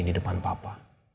di depan papa